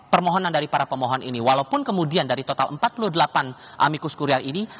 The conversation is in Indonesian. permohonan dari para pemohon ini walaupun kemudian dari total empat puluh delapan amikus kurir ini